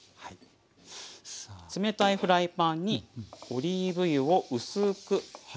冷たいフライパンにオリーブ油を薄く塗ります。